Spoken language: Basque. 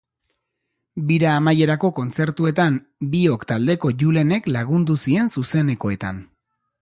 Bira amaierako kontzertuetan Biok taldeko Julenek lagundu zien zuzenekoetan.